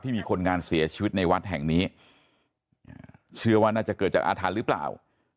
มีคนงานเสียชีวิตในวัดแห่งนี้เชื่อว่าน่าจะเกิดจากอาถรรพ์หรือเปล่า